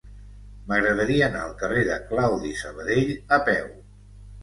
M'agradaria anar al carrer de Claudi Sabadell a peu.